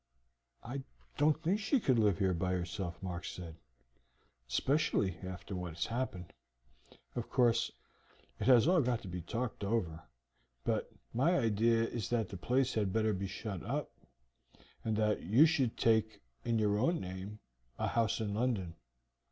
"I don't think she could live here by herself," Mark said, "especially after what has happened. Of course, it has all got to be talked over, but my idea is that the place had better be shut up, and that you should take, in your own name, a house in London.